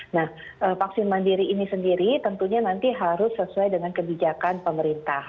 nah vaksin mandiri ini sendiri tentunya nanti harus sesuai dengan kebijakan pemerintah